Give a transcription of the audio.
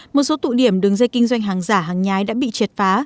một số tụ điểm đường dây kinh doanh hàng giả hàng nhái đã bị triệt phá